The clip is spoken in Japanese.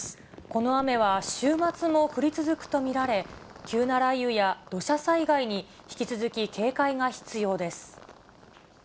この雨は週末も降り続くと見られ、急な雷雨や土砂災害に引き続き警戒が必要です。